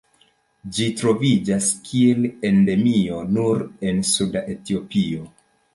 Ĝi troviĝas kiel endemio nur en suda Etiopio.